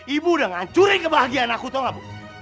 ibu udah ngancurin kebahagiaan aku tau nggak bu